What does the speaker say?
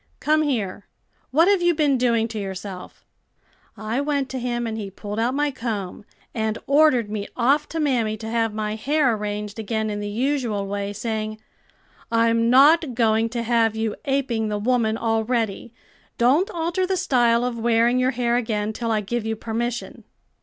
'Come here; what have you been doing to yourself?' I went to him and he pulled out my comb, and ordered me off to mammy to have my hair arranged again in the usual way, saying, 'I'm not going to have you aping the woman already; don't alter the style of wearing your hair again, till I give you permission.'